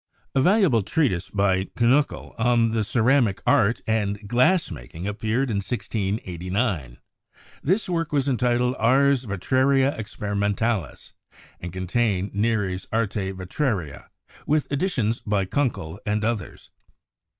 A valuable treatise by Kunckel on the ceramic art and glass making appeared in 1689. This work was entitled 'Ars vitraria experimentalis/ and contained Neri's 'Arte vitraria/ with additions by Kunckel and others.